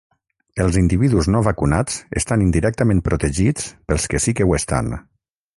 Els individus no vacunats estan indirectament protegits pels que sí que ho estan.